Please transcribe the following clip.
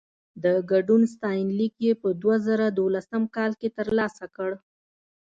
د ګډون ستاینلیک يې په دوه زره دولسم کال کې ترلاسه کړ.